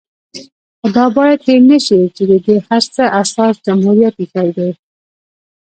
خو دا بايد هېر نشي چې د دې هر څه اساس جمهوريت ايښی دی